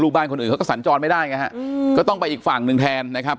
บ้านคนอื่นเขาก็สัญจรไม่ได้ไงฮะก็ต้องไปอีกฝั่งหนึ่งแทนนะครับ